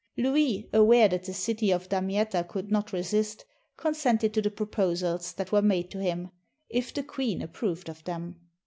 Louis, aware that the city of Damietta could not resist, con sented to the proposals that were made to him, if the queen approved of them.